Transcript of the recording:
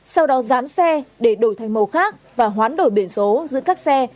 sau đó dán xe để đổi thành màu khác và hoán đổi biển số giữa các xe